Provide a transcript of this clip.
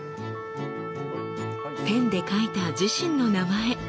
ペンで書いた自身の名前。